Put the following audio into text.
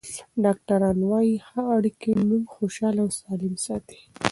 ډاکټران وايي ښه اړیکې موږ خوشحاله او سالم ساتي.